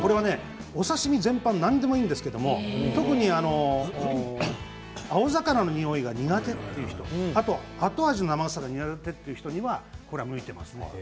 お刺身全般何でもいいんですけれど特に青魚のにおいが苦手という人後味の生臭さが苦手という人には向いています。